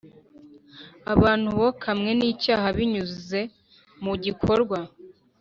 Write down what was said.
abantu bokamwe n’icyaha, binyuze mu gikorwa